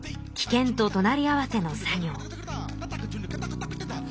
険ととなり合わせの作業。